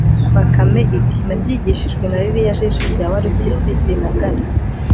bakame iti nabyigishijwe na ririya jisho rya warupyisi rinagana